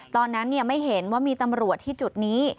ตอนนั้นไม่เห็นว่ามีตำรวจที่จุดนี้